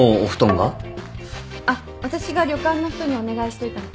あっ私が旅館の人にお願いしといたの。